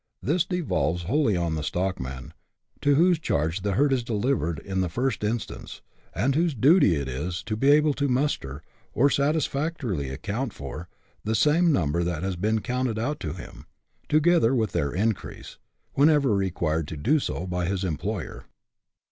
This devolves wholly on the stock man, to whose charge the herd is delivered in the first instance, and whose duty it is to be able to muster, o? satisfactorily account for, the same number that has been counted out to him, together with their increase, whenever required to do so by his employer.